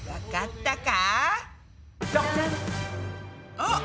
あっ。